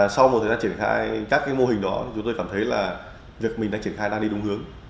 sau một thời gian triển khai các mô hình đó chúng tôi cảm thấy là việc mình đang triển khai đang đi đúng hướng